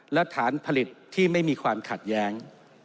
และฐานผลิตที่ไม่มีความขัดแย้ง